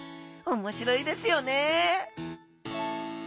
おもしろいですよね？